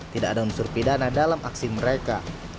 tidak ada unsur pidana dalam aksi mereka